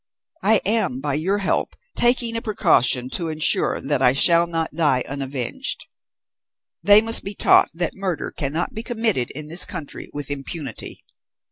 I am, by your help, taking a precaution to ensure that I shall not die unavenged. They must be taught that murder cannot be committed in this country with impunity.